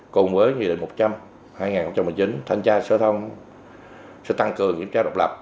cùng với nghị định một trăm linh hai nghìn một mươi chín thanh tra sở thông sẽ tăng cường kiểm tra độc lập